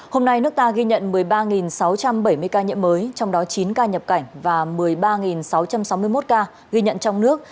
hôm nay nước ta ghi nhận một mươi ba sáu trăm bảy mươi ca nhiễm mới trong đó chín ca nhập cảnh và một mươi ba sáu trăm sáu mươi một ca ghi nhận trong nước